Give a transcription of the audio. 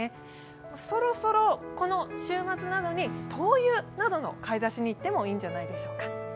そろそろこの週末などに灯油の買い出しに行ってもいいんじゃないでしょうか。